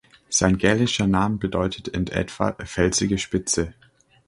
Sein gälischer Name bedeutet in etwa "Felsige Spitze".